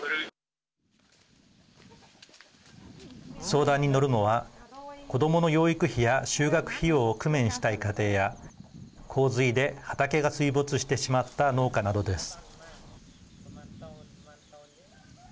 相談に乗るのは子どもの養育費や就学費用を工面したい家庭や洪水で畑が水没してしまった農家などです。